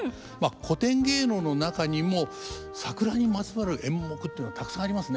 古典芸能の中にも桜にまつわる演目っていうのたくさんありますね。